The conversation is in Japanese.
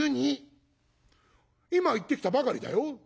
「今行ってきたばかりだよ」。